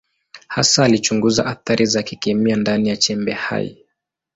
Hasa alichunguza athari za kikemia ndani ya chembe hai.